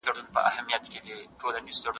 د نامحرمو دلالانو غدۍ